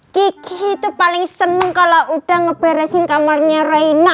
kiki itu paling seneng kalau udah ngeberesin kamarnya raina